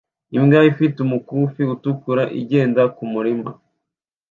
Imbwa ifite umukufi utukura igenda kumurima